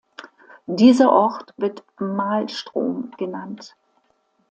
Dieser Ort wird Mahlstrom genannt.